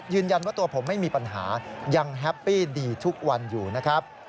ยืนยันว่าตัวผมไม่มีปัญหายังแฮปปี้ดีทุกวันอยู่นะครับ